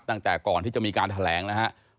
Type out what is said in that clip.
ตั้งแต่ก่อนที่จะมีการแถลงนะครับ